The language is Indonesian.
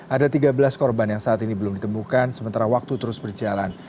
ada tiga belas korban yang saat ini belum ditemukan sementara waktu terus berjalan